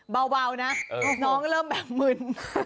เบานะน้องเริ่มแบบมึน